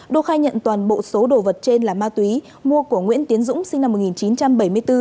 đô khai nhận toàn bộ số đồ vật trên là ma túy mua của nguyễn tiến dũng sinh năm một nghìn chín trăm bảy mươi bốn